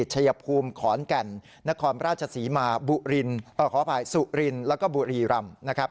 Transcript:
เฉยภูมิขอร์นแก่นนครพระราชสีมาบุริรรม